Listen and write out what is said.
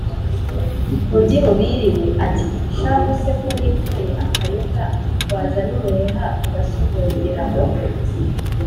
undi ngo biriwe. ati: "shahu se ko nikoreye akayoga wazana umuheha ugasogongeraho.